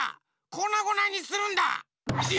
こなごなにするんだ！